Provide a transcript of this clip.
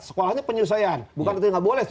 sekolahnya penyelesaian bukan itu nggak boleh